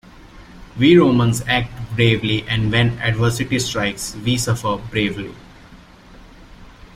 We Romans act bravely and, when adversity strikes, we suffer bravely.